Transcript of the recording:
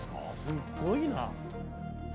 すごいな。